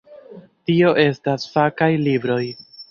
Tio estas fakaj libroj.